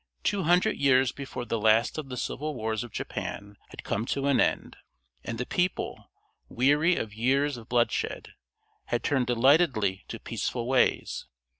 Two hundred years before the last of the civil wars of Japan had come to an end, and the people, weary of years of bloodshed, had turned delightedly to peaceful ways.